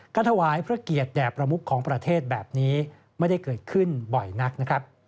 ถวายพระเกียรติแด่ประมุขของประเทศแบบนี้ไม่ได้เกิดขึ้นบ่อยนักนะครับ